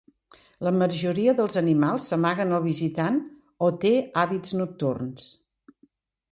La majoria dels animals s'amaguen al visitant o té hàbits nocturns.